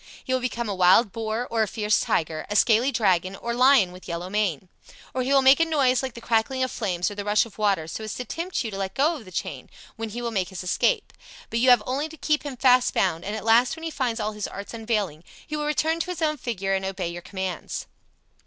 He will become a wild boar or a fierce tiger, a scaly dragon or lion with yellow mane. Or he will make a noise like the crackling of flames or the rush of water, so as to tempt you to let go the chain, when he will make his escape. But you have only to keep him fast bound, and at last when he finds all his arts unavailing, he will return to his own figure and obey your commands."